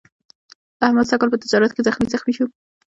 احمد سږ کال په تجارت کې زخمي زخمي شو.